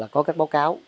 có các báo cáo